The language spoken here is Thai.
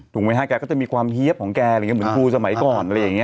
ถูกไหมฮะแกก็จะมีความเฮี๊บของแกเหมือนครูสมัยก่อน